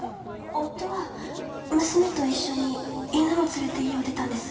夫は娘と一緒に犬も連れて家を出たんです。